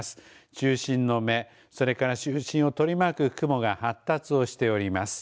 中心の目それから中心を取り巻く雲が発達しております。